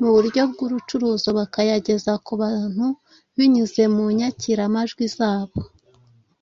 mu buryo bw’urucuruzo, bakayageza ku bantu binyuze mu nyakiramajwi zabo.